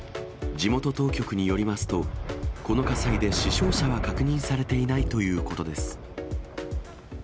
地元当局によりますと、この火災で死傷者は確認されてないということです。